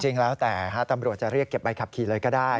จริงแล้วแต่ตำรวจจะเรียกเก็บใบขับขี่เลยก็ได้